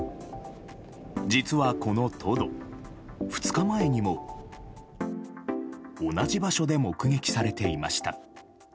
実はこのトド、２日前にも同じ場所で目撃されていました。